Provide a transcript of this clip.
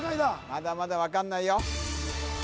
まだまだ分かんないよ